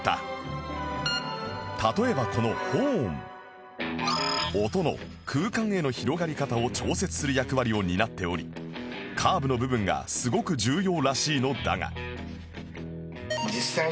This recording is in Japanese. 例えばこのホーン音の空間への広がり方を調節する役割を担っておりカーブの部分がすごく重要らしいのだが